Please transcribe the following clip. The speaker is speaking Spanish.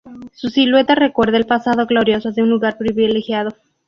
Su silueta recuerda el pasado glorioso de un lugar privilegiado.